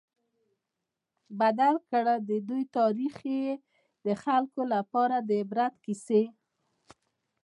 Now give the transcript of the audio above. بدل کړ، او د دوی تاريخ ئي د خلکو لپاره د عبرت قيصي